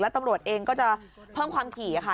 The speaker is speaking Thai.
แล้วตำรวจเองก็จะเพิ่มความผิดค่ะ